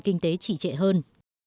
kinh tế trị trệ hơn